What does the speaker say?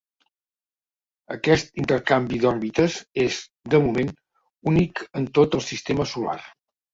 Aquest intercanvi d'òrbites és, de moment, únic en tot el sistema solar.